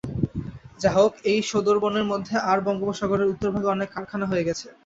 যা হোক ঐ সোঁদরবনের মধ্যে আর বঙ্গোপসাগরের উত্তরভাগে অনেক কারখানা হয়ে গেছে।